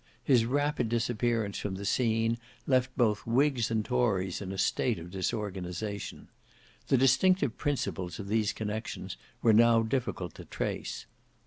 His rapid disappearance from the scene left both whigs and tories in a state of disorganization. The distinctive principles of these connexions were now difficult to trace.